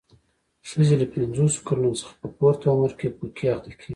ښځې له پنځوسو کلونو څخه په پورته عمر کې پوکي اخته کېږي.